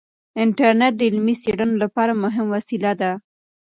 انټرنیټ د علمي څیړنو لپاره مهمه وسیله ده.